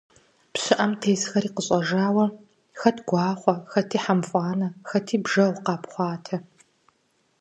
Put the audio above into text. ПщыӀэм тесхэри къыщӀэжауэ, хэт гуахъуэ, хэти хьэфӀанэ, хэти бжьэгъу къапхъуатэ.